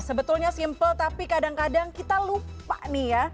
sebetulnya simple tapi kadang kadang kita lupa nih ya